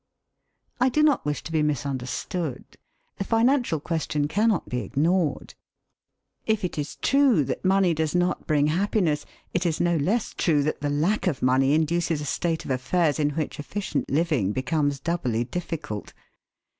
I do not wish to be misunderstood. The financial question cannot be ignored. If it is true that money does not bring happiness, it is no less true that the lack of money induces a state of affairs in which efficient living becomes doubly difficult.